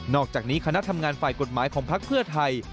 อกจากนี้คณะทำงานฝ่ายกฎหมายของพักเพื่อไทย